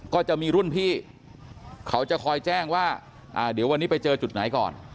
ก็จะมีรุ่นพี่เขาจะคอยแจ้งว่าเดี๋ยววันนี้ไปเจอจุดไหนก่อน